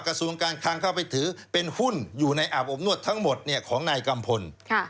กระทรวงการคังเข้าไปถือเป็นหุ้นอยู่ในอาบอบนวดทั้งหมดของนายกัมพล